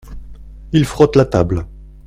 Il frotte la table.